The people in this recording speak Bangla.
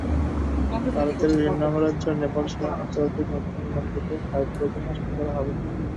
ভারতের বিভিন্ন অঙ্গরাজ্য, নেপালসহ আন্তর্জাতিক নতুন গন্তব্যে ফ্লাইট পরিচালনা শুরু করা হবে।